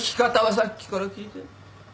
さっきから聞いて。